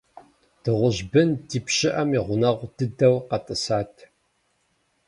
Дыгъужь бын ди пщыӀэм и гъунэгъу дыдэу къэтӀысат.